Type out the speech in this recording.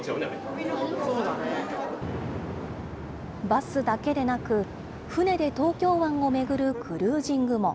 バスだけでなく、船で東京湾を巡るクルージングも。